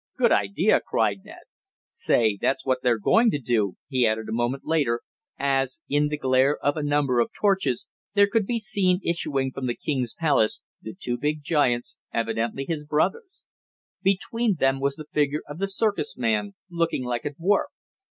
"Good idea!" cried Ned. "Say, that's what they're going to do," he added a moment later as, in the glare of a number of torches, there could be seen issuing from the king's palace, the two big giants, evidently his brothers. Between them was the figure of the circus man, looking like a dwarf.